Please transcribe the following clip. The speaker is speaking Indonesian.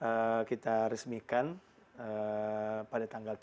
kalau kita resmikan pada tanggal tujuh